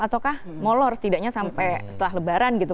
ataukah molor setidaknya sampai setelah lebaran gitu